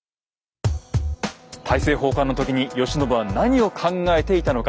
大政奉還の時に慶喜は何を考えていたのか。